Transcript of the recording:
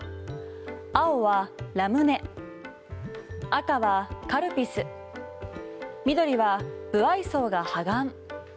青は、ラムネ赤は、カルピス緑は、無愛想が破顔。